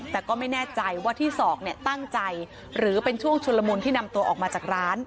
แต่ก็ไม่แน่ใจว่าที่ศอกเนี่ยตั้งใจหรือเป็นช่วงชุลมุนที่นำตัวออกมาจากร้าน